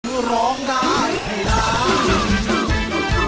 คือร้องได้ให้ร้าน